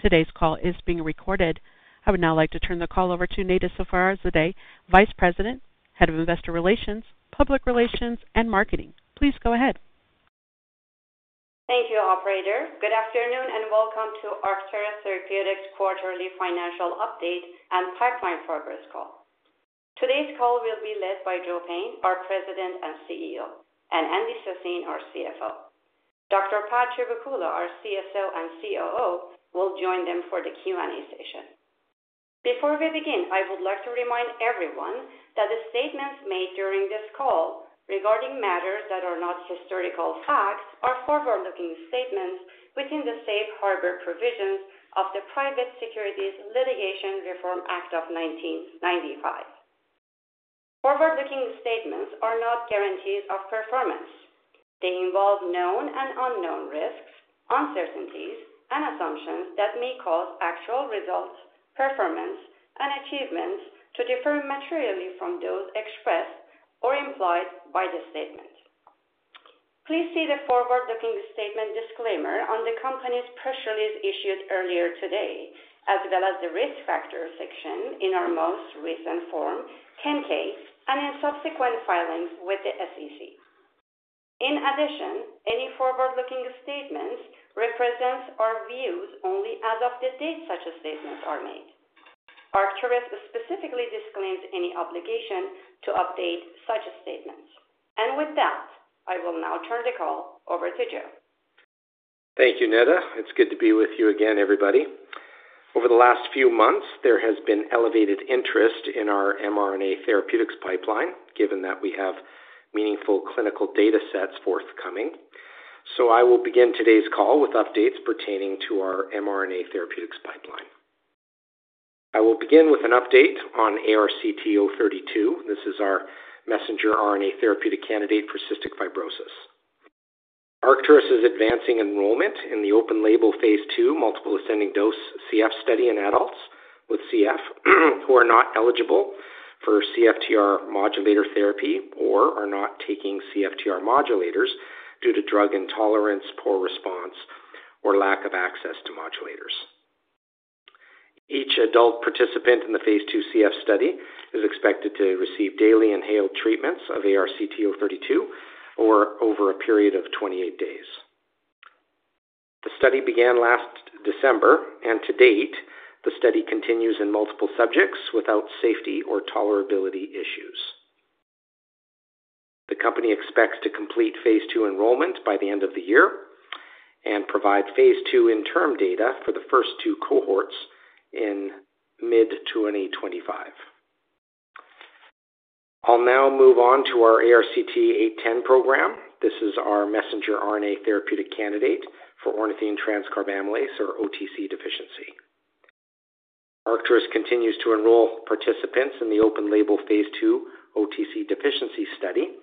Today's call is being recorded. I would now like to turn the call over to Neda Safarzadeh, Vice President, Head of Investor Relations, Public Relations, and Marketing. Please go ahead. Thank you, Operator. Good afternoon and welcome to Arcturus Therapeutics' quarterly financial update and pipeline progress call. Today's call will be led by Joe Payne, our President and CEO, and Andy Sassine, our CFO. Dr. Pad Chivukula, our CSO and COO, will join them for the Q&A session. Before we begin, I would like to remind everyone that the statements made during this call regarding matters that are not historical facts are forward-looking statements within the safe harbor provisions of the Private Securities Litigation Reform Act of 1995. Forward-looking statements are not guarantees of performance. They involve known and unknown risks, uncertainties, and assumptions that may cause actual results, performance, and achievements to differ materially from those expressed or implied by the statement. Please see the forward-looking statement disclaimer on the company's press release issued earlier today, as well as the risk factor section in our most recent Form 10-K and in subsequent filings with the SEC. In addition, any forward-looking statements represent our views only as of the date such statements are made. Arcturus specifically disclaims any obligation to update such statements. I will now turn the call over to Joe. Thank you, Neda. It's good to be with you again, everybody. Over the last few months, there has been elevated interest in our mRNA therapeutics pipeline, given that we have meaningful clinical data sets forthcoming. I will begin today's call with updates pertaining to our mRNA therapeutics pipeline. I will begin with an update on ARCT-032. This is our messenger RNA therapeutic candidate for cystic fibrosis. Arcturus is advancing enrollment in the open label Phase II multiple ascending dose CF study in adults with CF who are not eligible for CFTR modulator therapy or are not taking CFTR modulators due to drug intolerance, poor response, or lack of access to modulators. Each adult participant in the Phase II CF study is expected to receive daily inhaled treatments of ARCT-032 over a period of 28 days. The study began last December, and to date, the study continues in multiple subjects without safety or tolerability issues. The company expects to complete Phase II enrollment by the end of the year and provide Phase II interim data for the first two cohorts in mid-2025. I'll now move on to our ARCT-810 program. This is our messenger RNA therapeutic candidate for ornithine transcarbamylase, or OTC deficiency. Arcturus continues to enroll participants in the open label Phase II OTC deficiency study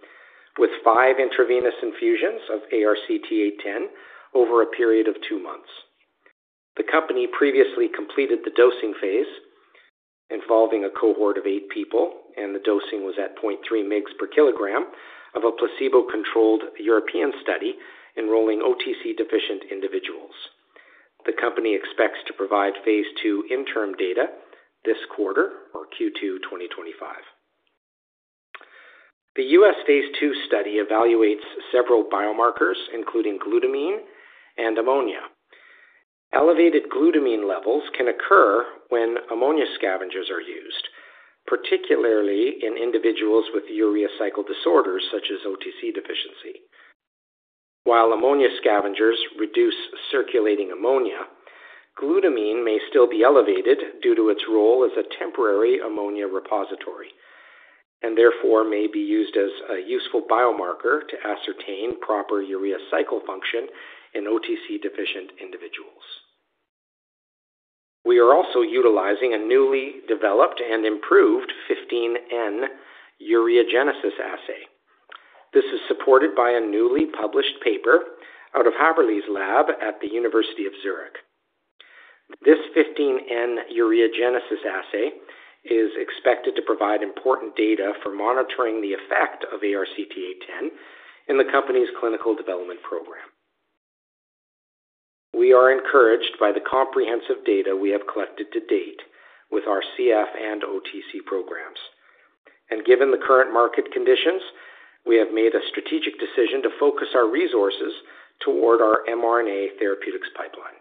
with five intravenous infusions of ARCT-810 over a period of two months. The company previously completed the dosing Phase involving a cohort of eight people, and the dosing was at 0.3 mg per kilogram of a placebo-controlled European study enrolling OTC deficient individuals. The company expects to provide Phase II interim data this quarter, or Q2 2025. The U.S. Phase II study evaluates several biomarkers, including glutamine and ammonia. Elevated glutamine levels can occur when ammonia scavengers are used, particularly in individuals with urea cycle disorders such as OTC deficiency. While ammonia scavengers reduce circulating ammonia, glutamine may still be elevated due to its role as a temporary ammonia repository and therefore may be used as a useful biomarker to ascertain proper urea cycle function in OTC deficient individuals. We are also utilizing a newly developed and improved 15N ureagenesis assay. This is supported by a newly published paper out of Häberle Lab at the University of Zurich. This 15N ureagenesis assay is expected to provide important data for monitoring the effect of ARCT-810 in the company's clinical development program. We are encouraged by the comprehensive data we have collected to date with our CF and OTC programs. Given the current market conditions, we have made a strategic decision to focus our resources toward our mRNA therapeutics pipeline.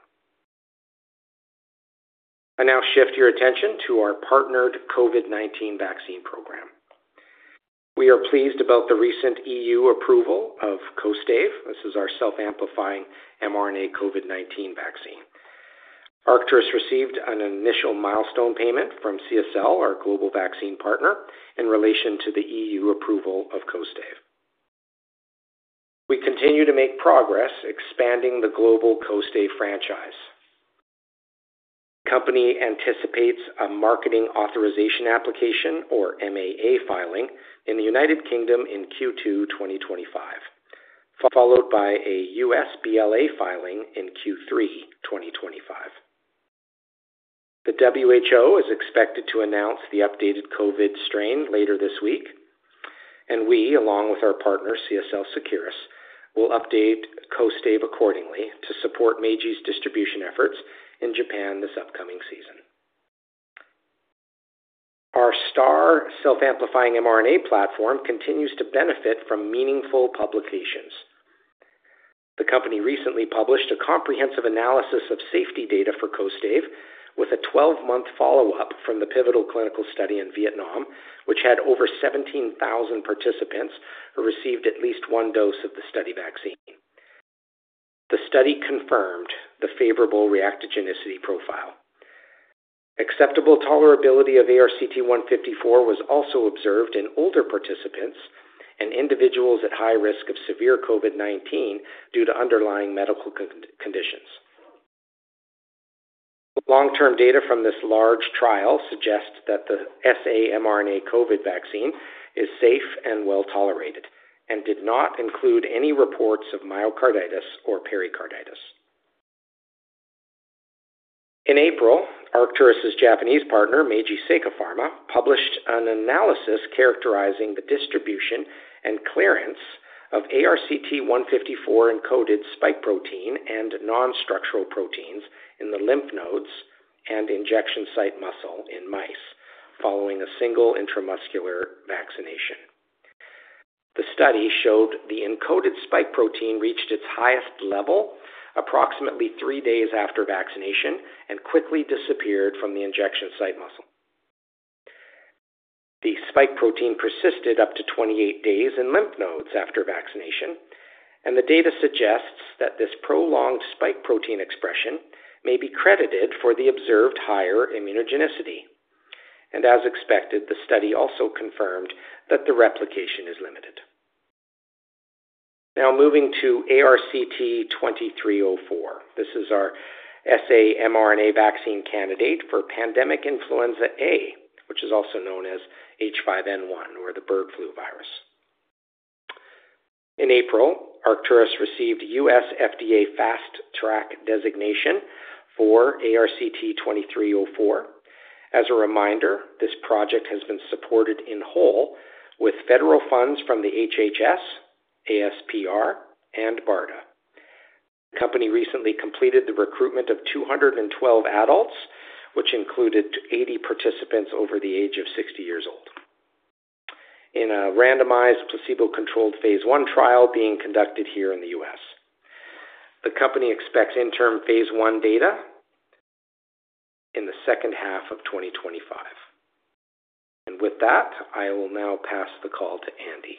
I now shift your attention to our partnered COVID-19 vaccine program. We are pleased about the recent EU approval of Kostaive. This is our self-amplifying mRNA COVID-19 vaccine. Arcturus received an initial milestone payment from CSL, our global vaccine partner, in relation to the EU approval of Kostaive. We continue to make progress expanding the global Kostaive franchise. The company anticipates a marketing authorization application, or MAA, filing in the United Kingdom in Q2 2025, followed by a U.S. BLA filing in Q3 2025. The WHO is expected to announce the updated COVID strain later this week, and we, along with our partner CSL Seqirus, will update Kostaive accordingly to support Meiji's distribution efforts in Japan this upcoming season. Our STARR self-amplifying mRNA platform continues to benefit from meaningful publications. The company recently published a comprehensive analysis of safety data for Kostaive with a 12-month follow-up from the pivotal clinical study in Vietnam, which had over 17,000 participants who received at least one dose of the study vaccine. The study confirmed the favorable reactogenicity profile. Acceptable tolerability of ARCT-154 was also observed in older participants and individuals at high risk of severe COVID-19 due to underlying medical conditions. Long-term data from this large trial suggests that the sa-mRNA COVID vaccine is safe and well tolerated and did not include any reports of myocarditis or pericarditis. In April, Arcturus' Japanese partner, Meiji Seika Pharma, published an analysis characterizing the distribution and clearance of ARCT-154-encoded spike protein and non-structural proteins in the lymph nodes and injection site muscle in mice following a single intramuscular vaccination. The study showed the encoded spike protein reached its highest level approximately three days after vaccination and quickly disappeared from the injection site muscle. The spike protein persisted up to 28 days in lymph nodes after vaccination, and the data suggests that this prolonged spike protein expression may be credited for the observed higher immunogenicity. As expected, the study also confirmed that the replication is limited. Now moving to ARCT-2304. This is our SA mRNA vaccine candidate for pandemic influenza A, which is also known as H5N1 or the bird flu virus. In April, Arcturus received U.S. FDA Fast Track designation for ARCT-2304. As a reminder, this project has been supported in whole with federal funds from the HHS, ASPR, and BARDA. The company recently completed the recruitment of 212 adults, which included 80 participants over the age of 60 years old, in a randomized placebo-controlled Phase I trial being conducted here in the U.S. The company expects interim Phase I data in the second half of 2025. With that, I will now pass the call to Andy.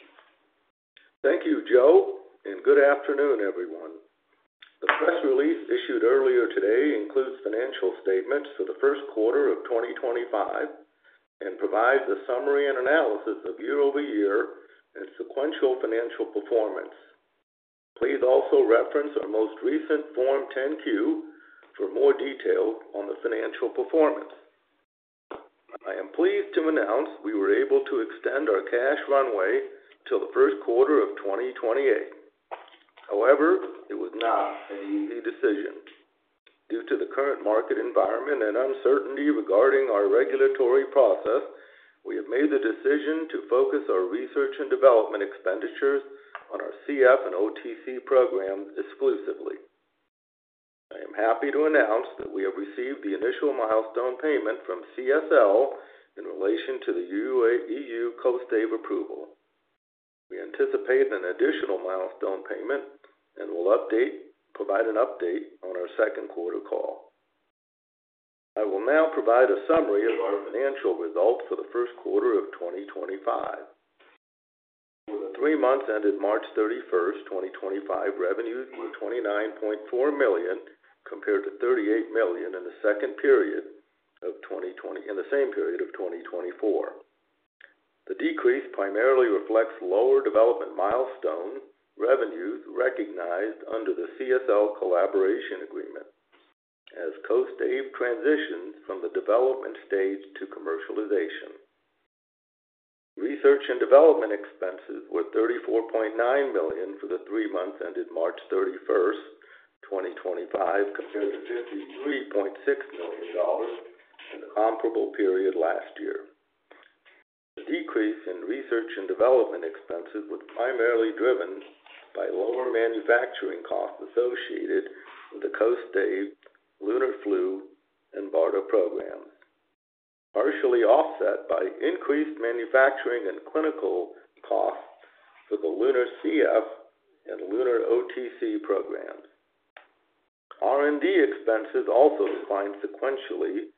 Thank you, Joe, and good afternoon, everyone. The press release issued earlier today includes financial statements for the first quarter of 2025 and provides a summary and analysis of year-over-year and sequential financial performance. Please also reference our most recent Form 10-Q for more details on the financial performance. I am pleased to announce we were able to extend our cash runway till the first quarter of 2028. However, it was not an easy decision. Due to the current market environment and uncertainty regarding our regulatory process, we have made the decision to focus our research and development expenditures on our CF and OTC programs exclusively. I am happy to announce that we have received the initial milestone payment from CSL in relation to the EU Kostaive approval. We anticipate an additional milestone payment and will provide an update on our second quarter call. I will now provide a summary of our financial results for the first quarter of 2025. Over the three months ended March 31st, 2025, revenues were $29.4 million compared to $38 million in the same period of 2024. The decrease primarily reflects lower development milestone revenues recognized under the CSL collaboration agreement as Kostaive transitions from the development stage to commercialization. Research and development expenses were $34.9 million for the three months ended March 31st, 2025, compared to $53.6 million in the comparable period last year. The decrease in research and development expenses was primarily driven by lower manufacturing costs associated with the Kostaive, LUNAR Flu, and BARDA programs, partially offset by increased manufacturing and clinical costs for the LUNAR CF and LUNAR OTC programs. R&D expenses also declined sequentially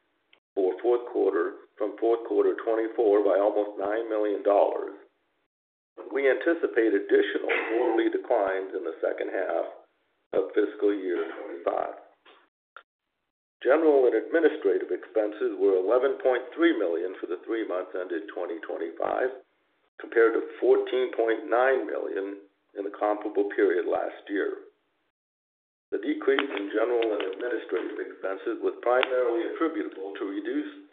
from fourth quarter 2024 by almost $9 million, and we anticipate additional quarterly declines in the second half of fiscal year 2025. General and administrative expenses were $11.3 million for the three months ended 2025, compared to $14.9 million in the comparable period last year. The decrease in general and administrative expenses was primarily attributable to reduced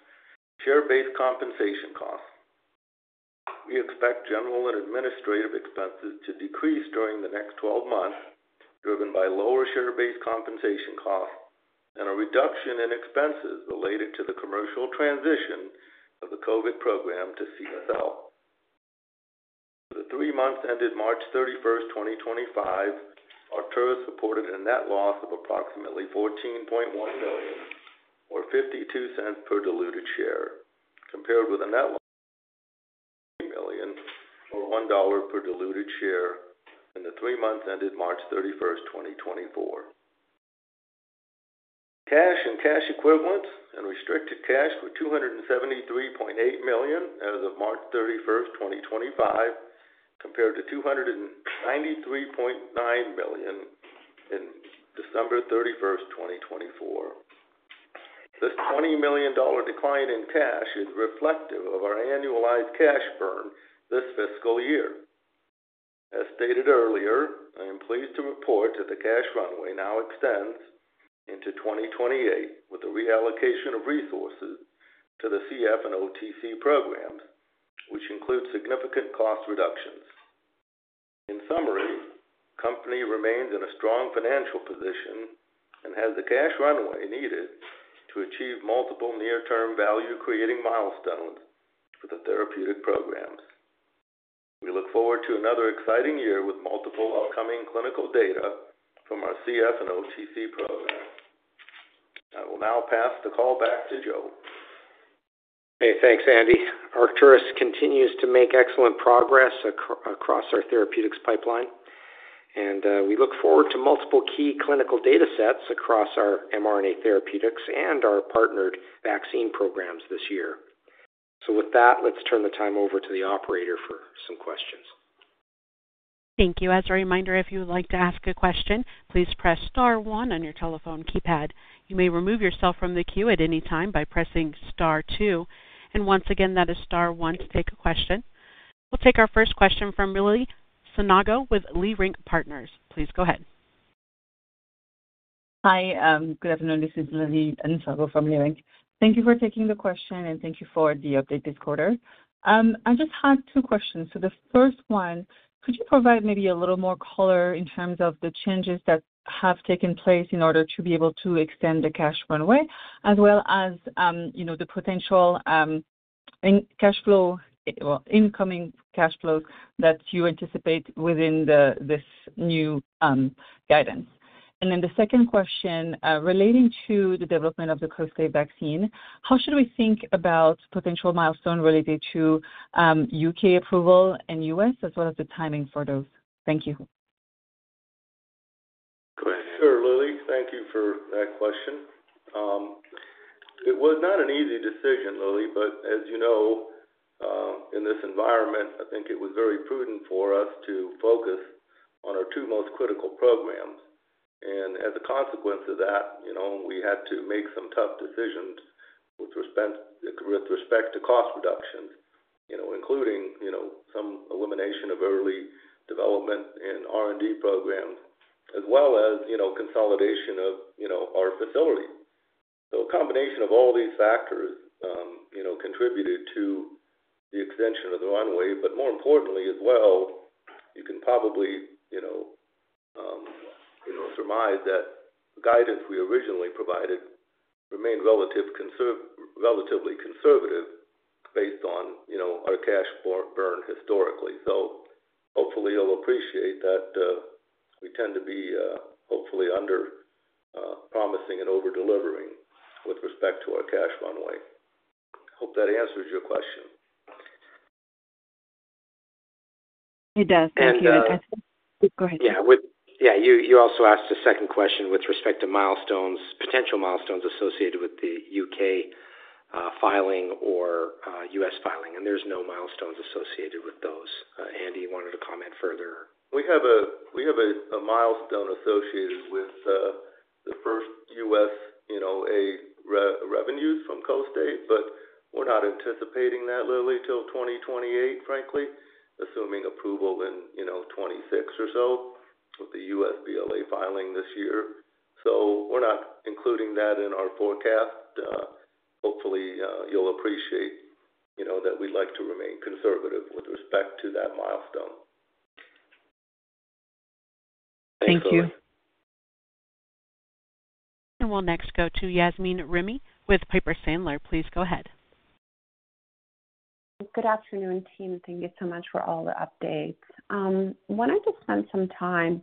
share-based compensation costs. We expect general and administrative expenses to decrease during the next 12 months, driven by lower share-based compensation costs and a reduction in expenses related to the commercial transition of the COVID program to CSL. For the three months ended March 31st, 2025, Arcturus Therapeutics reported a net loss of approximately $14.1 million, or $0.52 per diluted share, compared with a net of [$3 million], or $1 per diluted share in the three months ended March 31st, 2024. Cash and cash equivalents and restricted cash were $273.8 million as of March 31st, 2025, compared to $293.9 million on December 31st, 2024. This $20 million decline in cash is reflective of our annualized cash burn this fiscal year. As stated earlier, I am pleased to report that the cash runway now extends into 2028 with the reallocation of resources to the CF and OTC programs, which includes significant cost reductions. In summary, the company remains in a strong financial position and has the cash runway needed to achieve multiple near-term value-creating milestones for the therapeutic programs. We look forward to another exciting year with multiple upcoming clinical data from our CF and OTC programs. I will now pass the call back to Joe. Hey, thanks, Andy. Arcturus continues to make excellent progress across our therapeutics pipeline, and we look forward to multiple key clinical data sets across our mRNA therapeutics and our partnered vaccine programs this year. With that, let's turn the time over to the operator for some questions. Thank you. As a reminder, if you would like to ask a question, please press Star one on your telephone keypad. You may remove yourself from the queue at any time by pressing Star two. Once again, that is Star one to take a question. We'll take our first question from Lili Nsongo with Leerink Partners. Please go ahead. Hi, good afternoon. This is Lili Nsongo from Leerink. Thank you for taking the question, and thank you for the update this quarter. I just had two questions. The first one, could you provide maybe a little more color in terms of the changes that have taken place in order to be able to extend the cash runway, as well as the potential incoming cash flows that you anticipate within this new guidance? The second question relating to the development of the Kostaive vaccine, how should we think about potential milestones related to U.K. approval and U.S., as well as the timing for those? Thank you. Sure, Lili, thank you for that question. It was not an easy decision, Lili, but as you know, in this environment, I think it was very prudent for us to focus on our two most critical programs. As a consequence of that, we had to make some tough decisions with respect to cost reductions, including some elimination of early development in R&D programs, as well as consolidation of our facility. A combination of all these factors contributed to the extension of the runway. More importantly, as well, you can probably surmise that the guidance we originally provided remained relatively conservative based on our cash burn historically. Hopefully, you'll appreciate that we tend to be hopefully under-promising and over-delivering with respect to our cash runway. I hope that answers your question. It does. Thank you. And. Go ahead. Yeah, you also asked a second question with respect to potential milestones associated with the U.K. filing or U.S. filing, and there's no milestones associated with those. Andy wanted to comment further. We have a milestone associated with the first U.S. revenues from Kostaive, but we're not anticipating that, Lili, till 2028, frankly, assuming approval in 2026 or so with the U.S. BLA filing this year. So we're not including that in our forecast. Hopefully, you'll appreciate that we'd like to remain conservative with respect to that milestone. Thank you. And we'll next go to Yasmeen Rahimi with Piper Sandler. Please go ahead. Good afternoon, team. Thank you so much for all the updates. I want to just spend some time,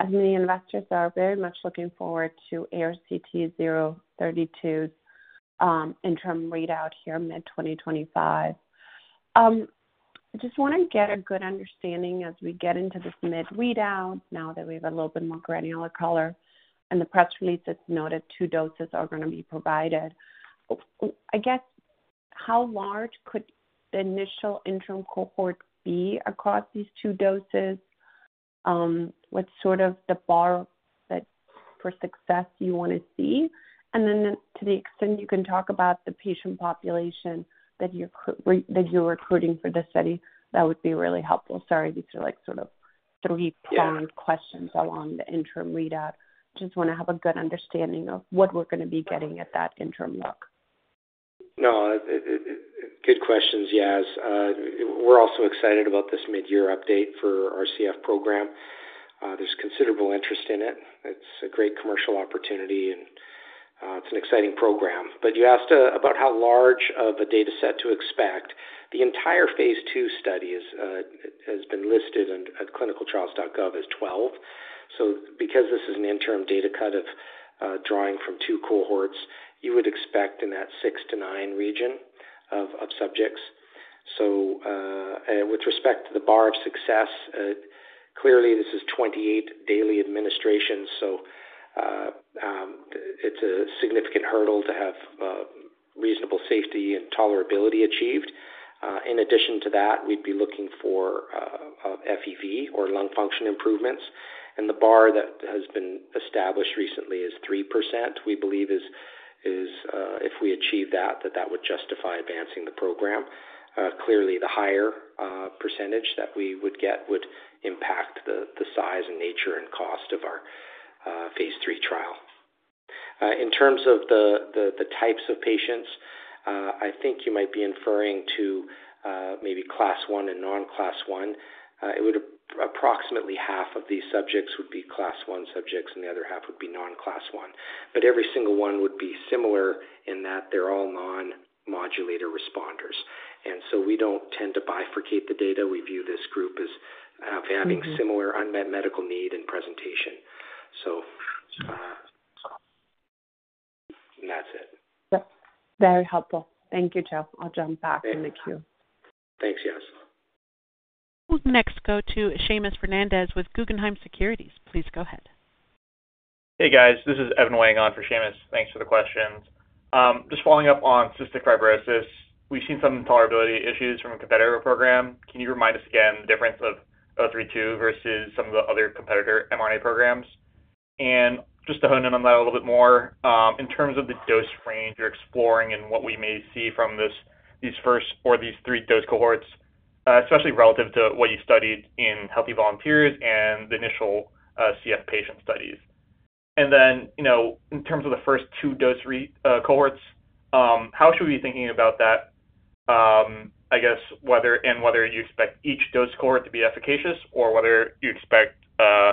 as many investors are very much looking forward to ARCT-032's interim readout here mid-2025. I just want to get a good understanding as we get into this mid-readout now that we have a little bit more granular color in the press release that's noted two doses are going to be provided. I guess, how large could the initial interim cohort be across these two doses? What is sort of the bar for success you want to see? To the extent you can talk about the patient population that you're recruiting for the study, that would be really helpful. Sorry, these are sort of three-pronged questions along the interim readout. Just want to have a good understanding of what we're going to be getting at that interim look. No, good questions, Yaz. We're also excited about this mid-year update for our CF program. There's considerable interest in it. It's a great commercial opportunity, and it's an exciting program. You asked about how large of a data set to expect. The entire Phase II study has been listed at ClinicalTrials.gov as 12. Because this is an interim data kind of drawing from two cohorts, you would expect in that 6-9 region of subjects. With respect to the bar of success, clearly, this is 28 daily administrations, so it's a significant hurdle to have reasonable safety and tolerability achieved. In addition to that, we'd be looking for FEV1 or lung function improvements. The bar that has been established recently is 3%. We believe if we achieve that, that would justify advancing the program. Clearly, the higher % that we would get would impact the size and nature and cost of our Phase III trial. In terms of the types of patients, I think you might be inferring to maybe Class I and Non-class I. Approximately half of these subjects would be Class I subjects, and the other half would be Non-class I. Every single one would be similar in that they're all non-modulator responders. We do not tend to bifurcate the data. We view this group as having similar unmet medical need and presentation. That is it. Very helpful. Thank you, Joe. I'll jump back in the queue. Thanks, Yaz. We'll next go to Seamus Fernandez with Guggenheim Securities. Please go ahead. Hey, guys. This is Evan Wang on for Seamus. Thanks for the questions. Just following up on cystic fibrosis, we've seen some tolerability issues from a competitor program. Can you remind us again the difference of 032 versus some of the other competitor mRNA programs? Just to hone in on that a little bit more, in terms of the dose range you're exploring and what we may see from these first or these three dose cohorts, especially relative to what you studied in healthy volunteers and the initial CF patient studies. In terms of the first two dose cohorts, how should we be thinking about that, I guess, and whether you expect each dose cohort to be efficacious or whether you expect a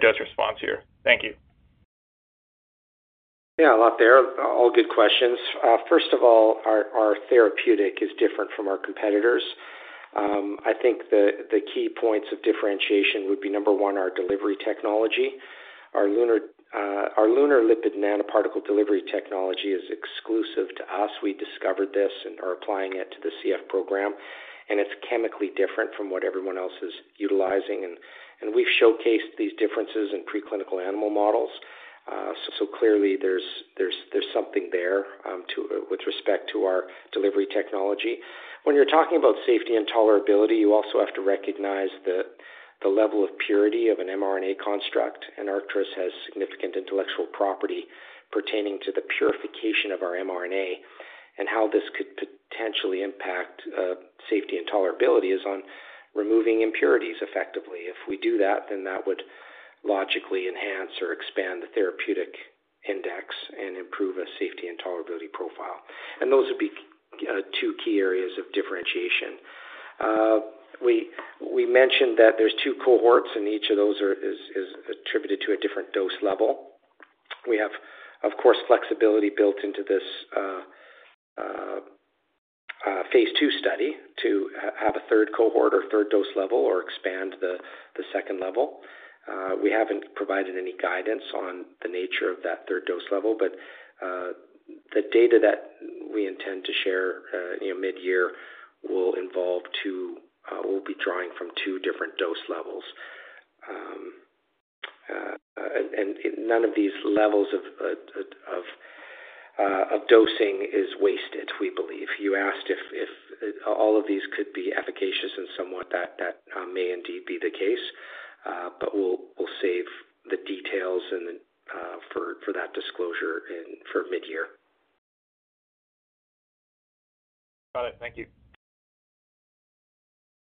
dose response here? Thank you. Yeah, a lot there. All good questions. First of all, our therapeutic is different from our competitors. I think the key points of differentiation would be, number one, our delivery technology. Our LUNAR lipid nanoparticle delivery technology is exclusive to us. We discovered this and are applying it to the CF program, and it's chemically different from what everyone else is utilizing. We have showcased these differences in preclinical animal models. Clearly, there is something there with respect to our delivery technology. When you are talking about safety and tolerability, you also have to recognize the level of purity of an mRNA construct. Arcturus has significant intellectual property pertaining to the purification of our mRNA. How this could potentially impact safety and tolerability is on removing impurities effectively. If we do that, then that would logically enhance or expand the therapeutic index and improve a safety and tolerability profile. Those would be two key areas of differentiation. We mentioned that there are two cohorts, and each of those is attributed to a different dose level. We have, of course, flexibility built into this Phase II study to have a third cohort or third dose level or expand the second level. We have not provided any guidance on the nature of that third dose level, but the data that we intend to share mid-year will be drawing from two different dose levels. None of these levels of dosing is wasted, we believe. You asked if all of these could be efficacious and somewhat that may indeed be the case, but we will save the details for that disclosure for mid-year. Got it. Thank you.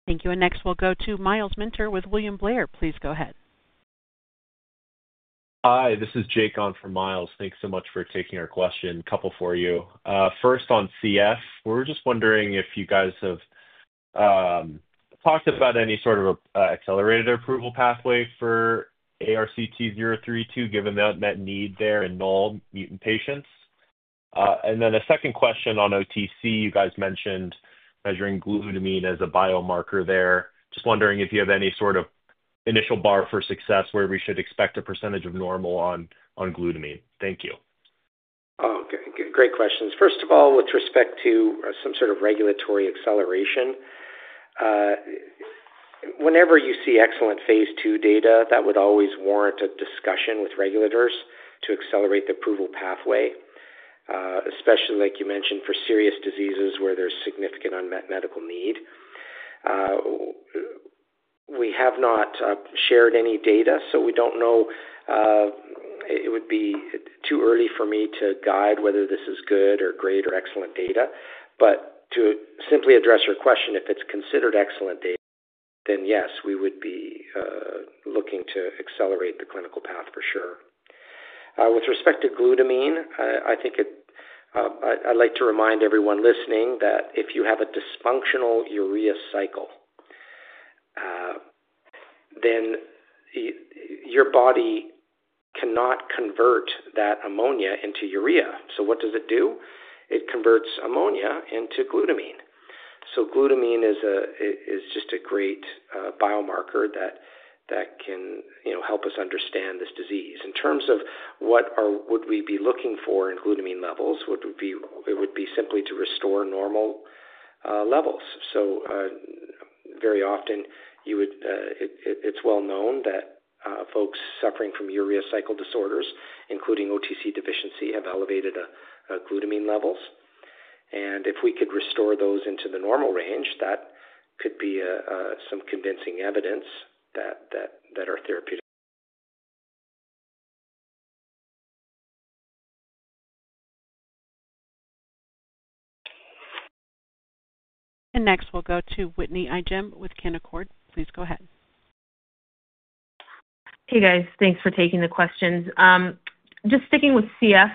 Thank you. Next, we will go to Myles Minter with William Blair. Please go ahead. Hi, this is Jake on for Myles. Thanks so much for taking our question. Couple for you. First, on CF, we're just wondering if you guys have talked about any sort of accelerated approval pathway for ARCT-032, given that net need there in null mutant patients. And then a second question on OTC, you guys mentioned measuring glutamine as a biomarker there. Just wondering if you have any sort of initial bar for success where we should expect a percentage of normal on glutamine. Thank you. Oh, okay. Great questions. First of all, with respect to some sort of regulatory acceleration, whenever you see excellent Phase II data, that would always warrant a discussion with regulators to accelerate the approval pathway, especially, like you mentioned, for serious diseases where there's significant unmet medical need. We have not shared any data, so we don't know. It would be too early for me to guide whether this is good or great or excellent data. To simply address your question, if it's considered excellent data, then yes, we would be looking to accelerate the clinical path for sure. With respect to glutamine, I think I'd like to remind everyone listening that if you have a dysfunctional urea cycle, then your body cannot convert that ammonia into urea. What does it do? It converts ammonia into glutamine. Glutamine is just a great biomarker that can help us understand this disease. In terms of what would we be looking for in glutamine levels, it would be simply to restore normal levels. Very often, it's well known that folks suffering from urea cycle disorders, including OTC deficiency, have elevated glutamine levels. If we could restore those into the normal range, that could be some convincing evidence that our therapeutic. Next, we will go to Whitney Ijem with Canaccord. Please go ahead. Hey, guys. Thanks for taking the questions. Just sticking with CF,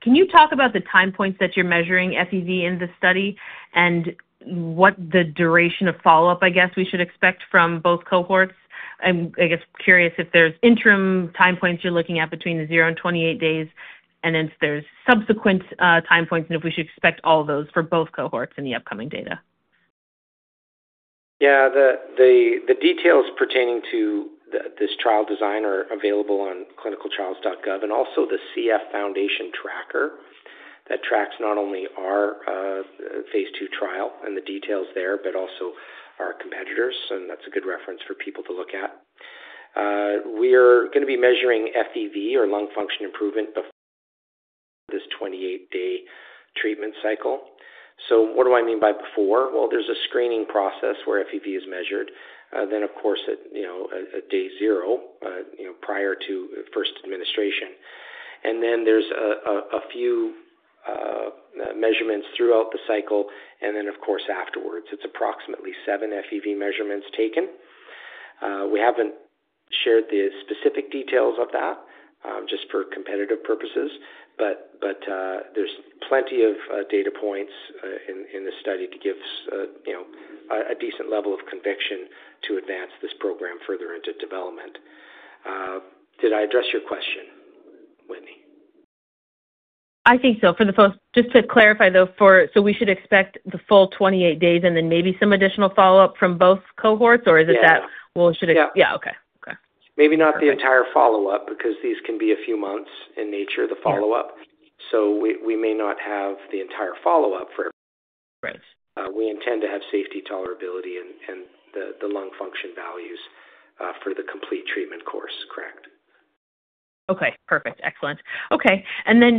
can you talk about the time points that you're measuring FEV1 in the study and what the duration of follow-up, I guess, we should expect from both cohorts? I'm, I guess, curious if there's interim time points you're looking at between the zero and 28 days, and then if there's subsequent time points and if we should expect all those for both cohorts in the upcoming data. Yeah, the details pertaining to this trial design are available on ClinicalTrials.gov and also the CF Foundation tracker that tracks not only our Phase II trial and the details there, but also our competitors. That's a good reference for people to look at. We are going to be measuring FEV1 or lung function improvement before this 28-day treatment cycle. What do I mean by before? There's a screening process where FEV1 is measured. Then, of course, at day zero prior to first administration. There's a few measurements throughout the cycle. Of course, afterwards, it's approximately seven FEV1 measurements taken. We haven't shared the specific details of that just for competitive purposes, but there's plenty of data points in the study to give a decent level of conviction to advance this program further into development. Did I address your question, Whitney? I think so. Just to clarify, though, we should expect the full 28 days and then maybe some additional follow-up from both cohorts, or is it that? Yeah. Yeah. Yeah. Okay. Okay. Maybe not the entire follow-up because these can be a few months in nature, the follow-up. We may not have the entire follow-up for. Right. We intend to have safety, tolerability, and the lung function values for the complete treatment course. Correct. Okay. Perfect. Excellent. Okay.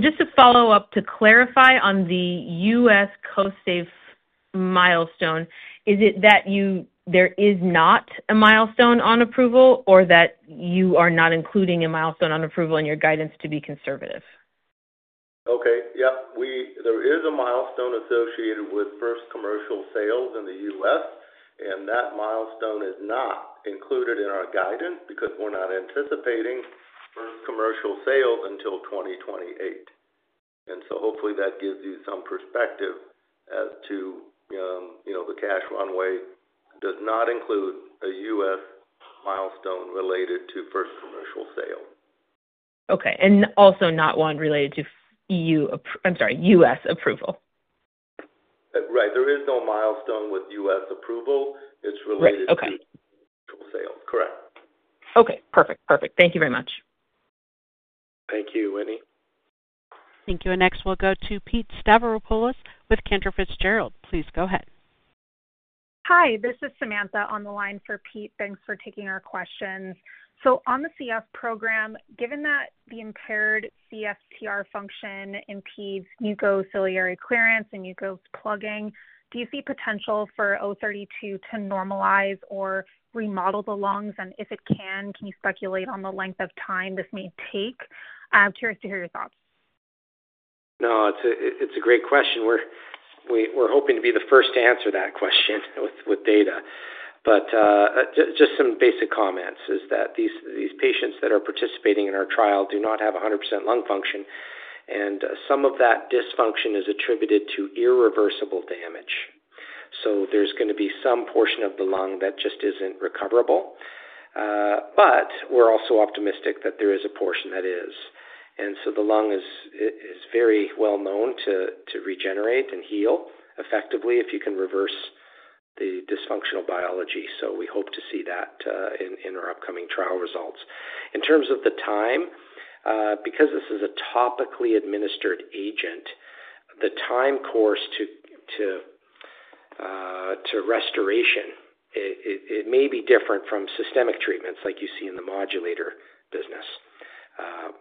Just to follow up, to clarify on the U.S. Kostaive milestone, is it that there is not a milestone on approval or that you are not including a milestone on approval in your guidance to be conservative? Okay. Yep. There is a milestone associated with first commercial sales in the U.S., and that milestone is not included in our guidance because we're not anticipating first commercial sales until 2028. Hopefully that gives you some perspective as to the cash runway does not include a U.S. milestone related to first commercial sales. Okay. Also, not one related to EU—I'm sorry, U.S. approval. Right. There is no milestone with U.S. approval. It's related to commercial sales. Correct. Okay. Perfect. Perfect. Thank you very much. Thank you, Whitney. Thank you. Next, we'll go to Pete Stavropoulos with Cantor Fitzgerald. Please go ahead. Hi, this is Samantha on the line for Pete. Thanks for taking our questions. On the CF program, given that the impaired CFTR function impedes mucociliary clearance and mucosal plugging, do you see potential for ARCT-032 to normalize or remodel the lungs? If it can, can you speculate on the length of time this may take? I'm curious to hear your thoughts. No, it's a great question. We're hoping to be the first to answer that question with data. Just some basic comments is that these patients that are participating in our trial do not have 100% lung function, and some of that dysfunction is attributed to irreversible damage. There is going to be some portion of the lung that just isn't recoverable. We're also optimistic that there is a portion that is. The lung is very well known to regenerate and heal effectively if you can reverse the dysfunctional biology. We hope to see that in our upcoming trial results. In terms of the time, because this is a topically administered agent, the time course to restoration may be different from systemic treatments like you see in the modulator business.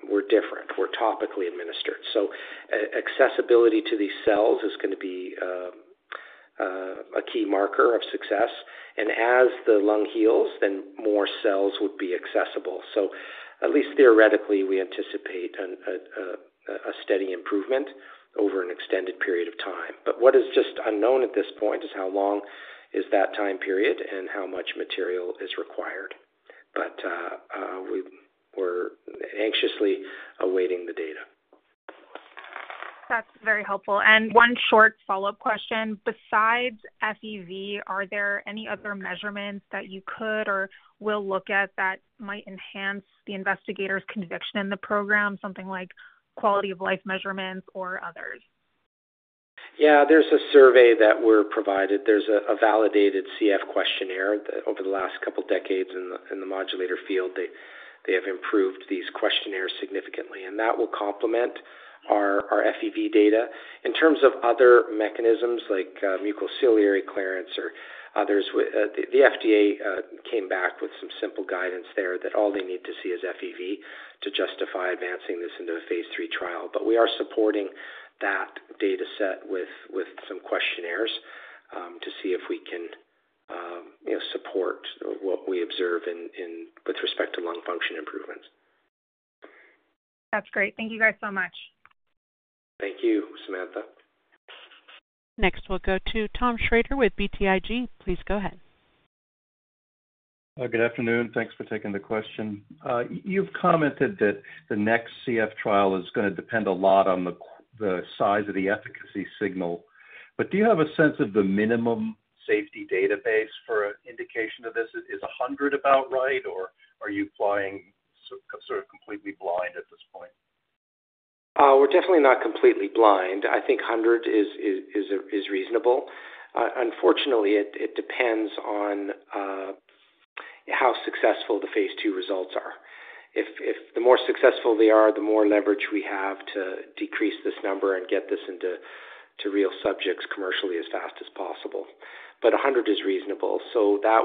We're different. We're topically administered. Accessibility to these cells is going to be a key marker of success. As the lung heals, then more cells would be accessible. At least theoretically, we anticipate a steady improvement over an extended period of time. What is just unknown at this point is how long that time period is and how much material is required. We're anxiously awaiting the data. That's very helpful. One short follow-up question. Besides FEV1, are there any other measurements that you could or will look at that might enhance the investigator's conviction in the program, something like quality of life measurements or others? Yeah. There's a survey that we're provided. There's a validated CF questionnaire over the last couple of decades in the modulator field. They have improved these questionnaires significantly, and that will complement our FEV1 data. In terms of other mechanisms like mucociliary clearance or others, the FDA came back with some simple guidance there that all they need to see is FEV1 to justify advancing this into a Phase III trial. We are supporting that dataset with some questionnaires to see if we can support what we observe with respect to lung function improvements. That's great. Thank you guys so much. Thank you, Samantha. Next, we'll go to Tom Shrader with BTIG. Please go ahead. Good afternoon. Thanks for taking the question. You've commented that the next CF trial is going to depend a lot on the size of the efficacy signal. Do you have a sense of the minimum safety database for indication of this? Is 100 about right, or are you flying sort of completely blind at this point? We're definitely not completely blind. I think 100 is reasonable. Unfortunately, it depends on how successful the Phase II results are. The more successful they are, the more leverage we have to decrease this number and get this into real subjects commercially as fast as possible. 100 is reasonable. That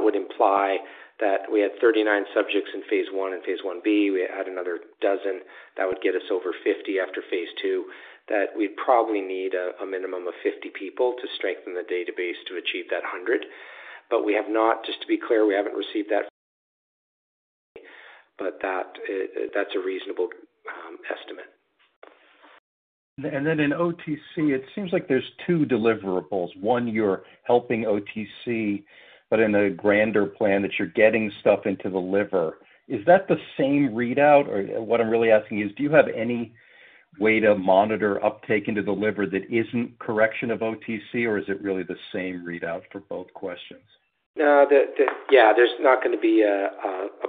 would imply that we had 39 subjects in Phase I and Phase Ib. We add another dozen. That would get us over 50 after Phase II, that we'd probably need a minimum of 50 people to strengthen the database to achieve that 100. We have not—just to be clear—we haven't received that. That is a reasonable estimate. In OTC, it seems like there's two deliverables. One, you're helping OTC, but in a grander plan that you're getting stuff into the liver. Is that the same readout? Or what I'm really asking is, do you have any way to monitor uptake into the liver that isn't correction of OTC, or is it really the same readout for both questions? No, yeah. There's not going to be a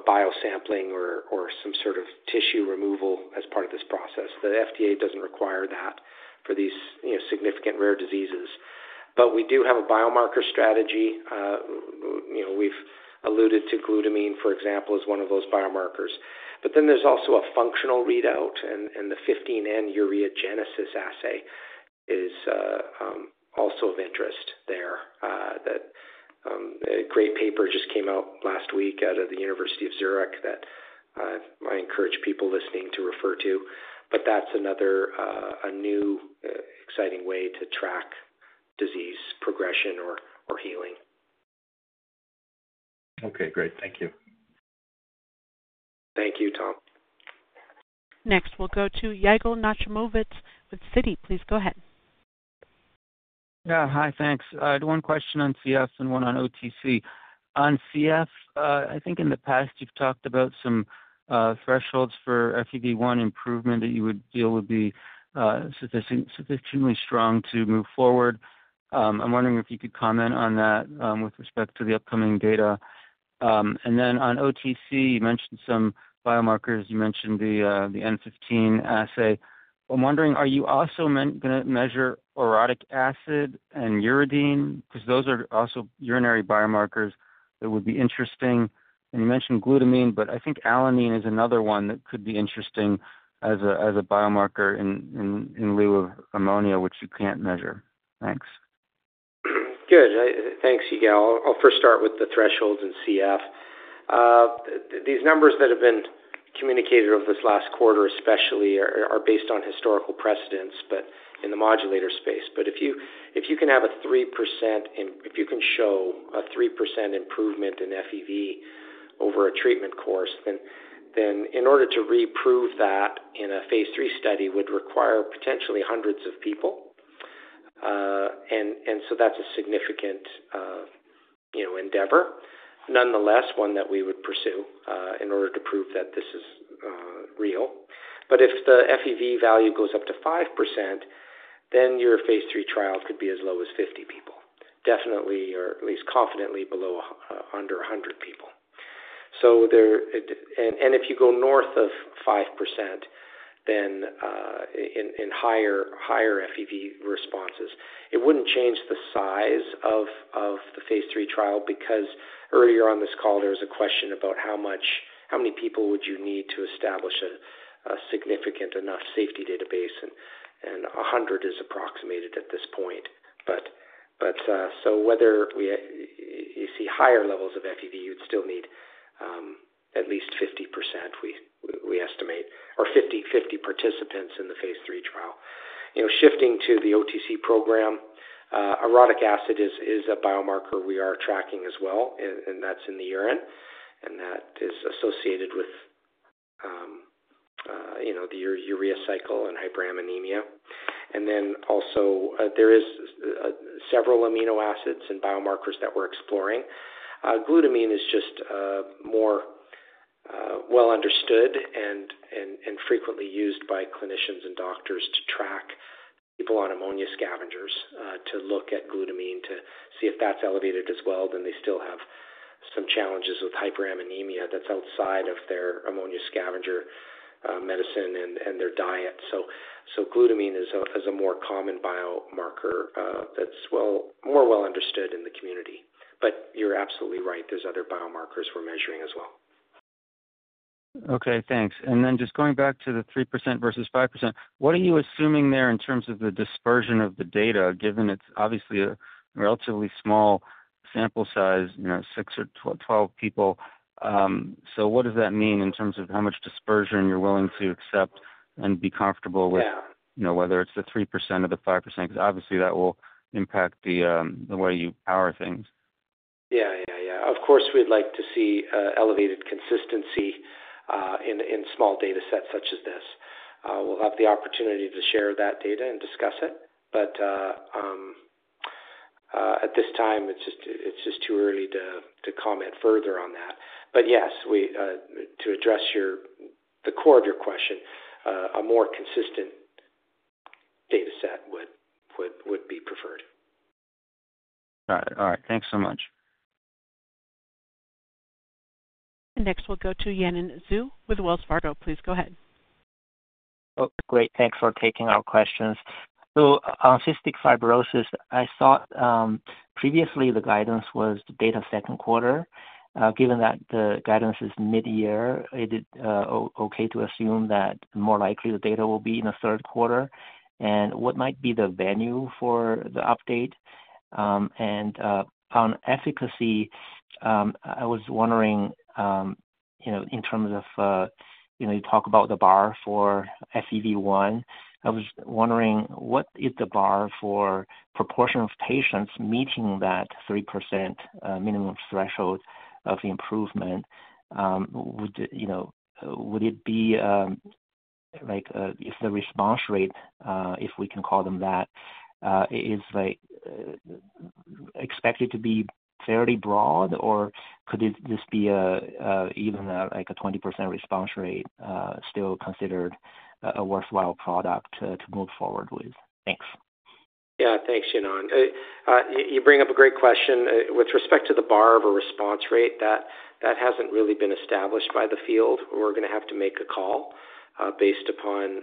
biosampling or some sort of tissue removal as part of this process. The FDA doesn't require that for these significant rare diseases. But we do have a biomarker strategy. We've alluded to glutamine, for example, as one of those biomarkers. But then there's also a functional readout, and the 15N ureagenesis assay is also of interest there. A great paper just came out last week out of the University of Zurich that I encourage people listening to refer to. But that's another new exciting way to track disease progression or healing. Okay. Great. Thank you. Thank you, Tom. Next, we'll go to Yigal Nochomovitz with Citi. Please go ahead. Yeah. Hi, thanks. I had one question on CF and one on OTC. On CF, I think in the past you've talked about some thresholds for FEV1 improvement that you would feel would be sufficiently strong to move forward. I'm wondering if you could comment on that with respect to the upcoming data. On OTC, you mentioned some biomarkers. You mentioned the 15N assay. I'm wondering, are you also going to measure uric acid and uridine? Because those are also urinary biomarkers that would be interesting. You mentioned glutamine, but I think alanine is another one that could be interesting as a biomarker in lieu of ammonia, which you can't measure. Thanks. Good. Thanks, Yigal. I'll first start with the thresholds in CF. These numbers that have been communicated over this last quarter especially are based on historical precedents in the modulator space. If you can have a 3%—if you can show a 3% improvement in FEV1 over a treatment course, then in order to re-prove that in a Phase III study would require potentially hundreds of people. That is a significant endeavor, nonetheless, one that we would pursue in order to prove that this is real. If the FEV1 value goes up to 5%, then your Phase III trial could be as low as 50 people, definitely or at least confidently below under 100 people. If you go north of 5%, then in higher FEV1 responses, it would not change the size of the Phase III trial because earlier on this call, there was a question about how many people you would need to establish a significant enough safety database, and 100 is approximated at this point. Whether you see higher levels of FEV1, you would still need at least 50%, we estimate, or 50 participants in the Phase III trial. Shifting to the OTC program, uric acid is a biomarker we are tracking as well, and that is in the urine. That is associated with the urea cycle and hyperammonemia. There are several amino acids and biomarkers that we are exploring. Glutamine is just more well understood and frequently used by clinicians and doctors to track people on ammonia scavengers to look at glutamine to see if that is elevated as well. They still have some challenges with hyperammonemia that's outside of their ammonia scavenger medicine and their diet. Glutamine is a more common biomarker that's more well understood in the community. You're absolutely right. There's other biomarkers we're measuring as well. Okay. Thanks. Just going back to the 3% versus 5%, what are you assuming there in terms of the dispersion of the data, given it's obviously a relatively small sample size, six or 12 people? What does that mean in terms of how much dispersion you're willing to accept and be comfortable with, whether it's the 3% or the 5%? Obviously that will impact the way you power things. Yeah. Yeah. Of course, we'd like to see elevated consistency in small datasets such as this. We'll have the opportunity to share that data and discuss it. At this time, it's just too early to comment further on that. Yes, to address the core of your question, a more consistent dataset would be preferred. Got it. All right. Thanks so much. Next, we'll go to Yanan Zhu with Wells Fargo. Please go ahead. Oh, great. Thanks for taking our questions. On cystic fibrosis, I thought previously the guidance was data second quarter. Given that the guidance is mid-year, is it okay to assume that more likely the data will be in the third quarter? What might be the venue for the update? On efficacy, I was wondering in terms of you talk about the bar for FEV1. I was wondering, what is the bar for proportion of patients meeting that 3% minimum threshold of improvement? Would it be like if the response rate, if we can call them that, is expected to be fairly broad, or could this be even like a 20% response rate still considered a worthwhile product to move forward with? Thanks. Yeah. Thanks, Yanan. You bring up a great question. With respect to the bar of a response rate, that has not really been established by the field. We're going to have to make a call based upon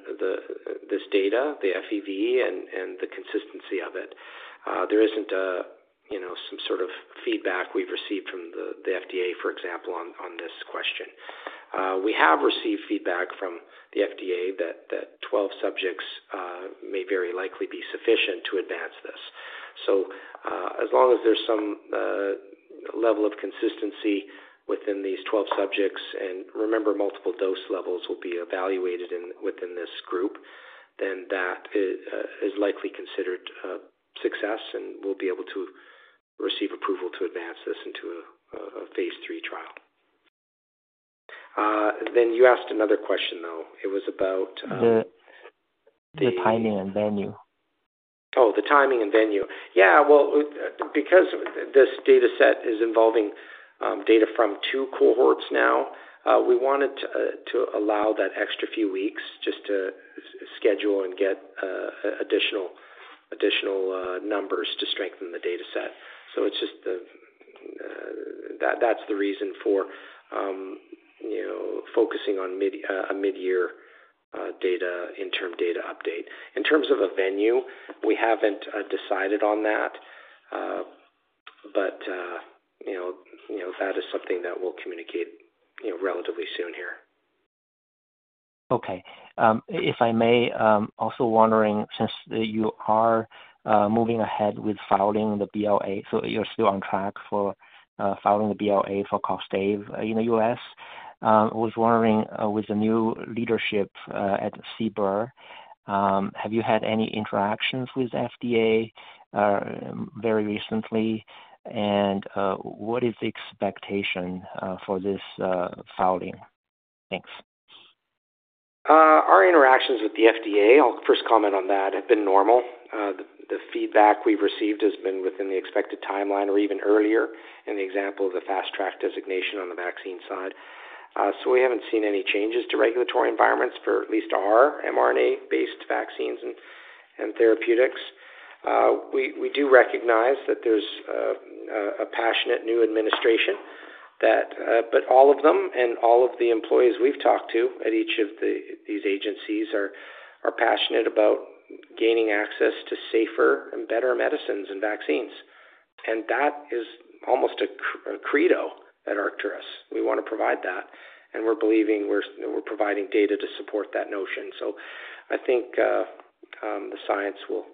this data, the FEV1, and the consistency of it. There is not some sort of feedback we've received from the FDA, for example, on this question. We have received feedback from the FDA that 12 subjects may very likely be sufficient to advance this. As long as there is some level of consistency within these 12 subjects, and remember, multiple dose levels will be evaluated within this group, then that is likely considered success and we'll be able to receive approval to advance this into a Phase III trial. You asked another question, though. It was about the. The timing and venue. Oh, the timing and venue. Yeah. Because this dataset is involving data from two cohorts now, we wanted to allow that extra few weeks just to schedule and get additional numbers to strengthen the dataset. That is the reason for focusing on a mid-year interim data update. In terms of a venue, we have not decided on that. That is something that we will communicate relatively soon here. Okay. If I may, also wondering, since you are moving ahead with filing the BLA, so you're still on track for filing the BLA for Kostaive in the U.S., I was wondering, with the new leadership at CBER, have you had any interactions with FDA very recently? What is the expectation for this filing? Thanks. Our interactions with the FDA, I'll first comment on that, have been normal. The feedback we've received has been within the expected timeline or even earlier in the example of the fast-track designation on the vaccine side. We haven't seen any changes to regulatory environments for at least our mRNA-based vaccines and therapeutics. We do recognize that there's a passionate new administration. All of them and all of the employees we've talked to at each of these agencies are passionate about gaining access to safer and better medicines and vaccines. That is almost a credo at Arcturus. We want to provide that. We're believing we're providing data to support that notion. I think the science will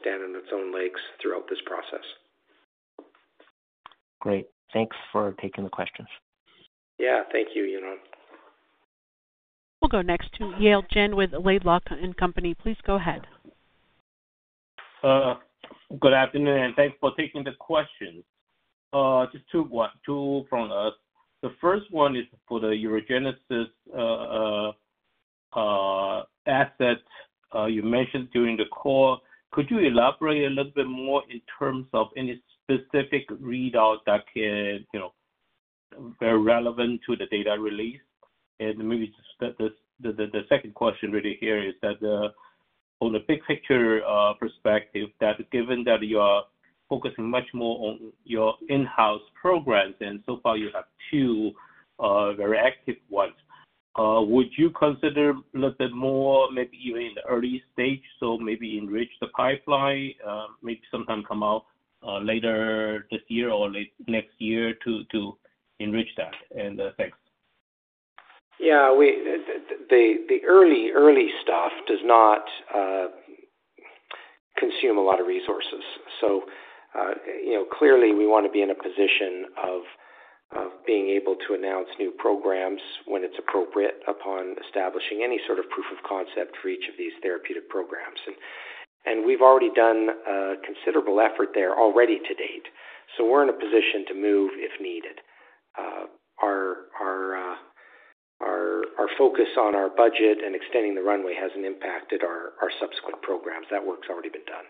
stand on its own legs throughout this process. Great. Thanks for taking the questions. Yeah. Thank you, Yanan. We'll go next to Yale Jen with Laidlaw & Company. Please go ahead. Good afternoon, and thanks for taking the questions. Just two from us. The first one is for the ureagenesis assay you mentioned during the call. Could you elaborate a little bit more in terms of any specific readout that can be very relevant to the data release? Maybe the second question really here is that on a big picture perspective, given that you are focusing much more on your in-house programs, and so far you have two very active ones, would you consider a little bit more, maybe even in the early stage, so maybe enrich the pipeline, maybe sometime come out later this year or next year to enrich that? Thanks. Yeah. The early stuff does not consume a lot of resources. Clearly, we want to be in a position of being able to announce new programs when it's appropriate upon establishing any sort of proof of concept for each of these therapeutic programs. We've already done a considerable effort there already to date. We're in a position to move if needed. Our focus on our budget and extending the runway hasn't impacted our subsequent programs. That work's already been done.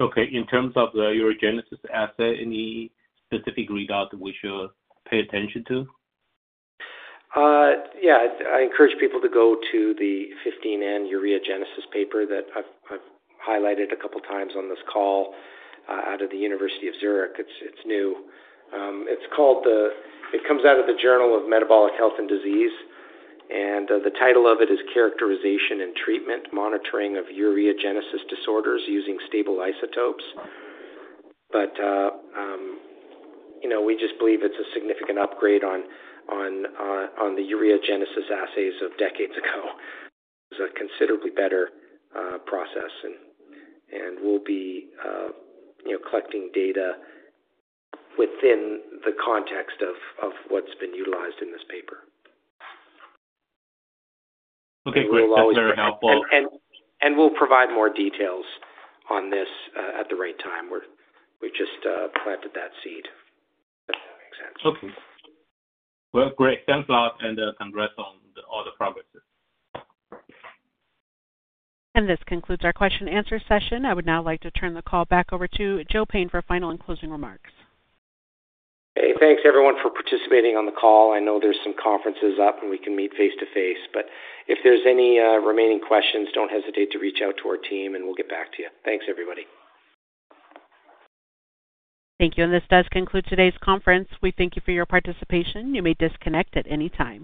Okay. In terms of the ureagenesis assay, any specific readout that we should pay attention to? Yeah. I encourage people to go to the 15N ureagenesis paper that I've highlighted a couple of times on this call out of the University of Zurich. It's new. It comes out of the Journal of Inherited Metabolic Disease. The title of it is Characterization and Treatment: Monitoring of Ureagenesis Disorders Using Stable Isotopes. We just believe it's a significant upgrade on the ureagenesis assays of decades ago. It's a considerably better process. We'll be collecting data within the context of what's been utilized in this paper. Okay. Great. Thank you very much. We will provide more details on this at the right time. We have just planted that seed, if that makes sense. Okay. Great. Thanks a lot, and congrats on all the progress. This concludes our question-and-answer session. I would now like to turn the call back over to Joe Payne for final and closing remarks. Hey, thanks everyone for participating on the call. I know there are some conferences up, and we can meet face-to-face. If there are any remaining questions, do not hesitate to reach out to our team, and we will get back to you. Thanks, everybody. Thank you. This does conclude today's conference. We thank you for your participation. You may disconnect at any time.